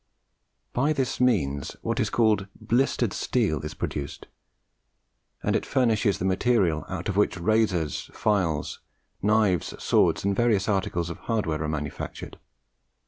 By this means, what is called BLISTERED STEEL is produced, and it furnishes the material out of which razors, files, knives, swords, and various articles of hardware are manufactured.